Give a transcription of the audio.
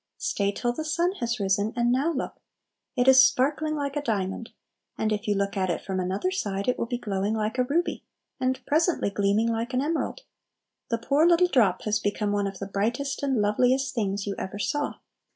Stay till the sun has risen, and now look. It is sparkling like a diamond; and if you look at it from another side, it will be glowing like a ruby, and presently gleaming like an emerald. The poor little drop has become one of the brightest and loveliest things you ever saw.